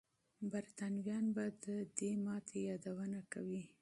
برتانويان به د دې ماتې یادونه کوي.